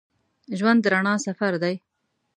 ژوند د رڼا سفر دی.